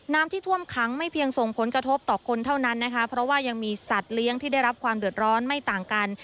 ที่ท่วมขังไม่เพียงส่งผลกระทบต่อคนเท่านั้นนะคะเพราะว่ายังมีสัตว์เลี้ยงที่ได้รับความเดือดร้อนไม่ต่างกัน